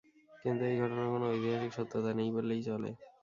কিন্তু এই ঘটনার কোন ঐতিহাসিক সত্যতা নেই বললেই চলে।